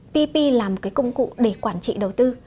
ppp là một cái công cụ để quản trị đầu tư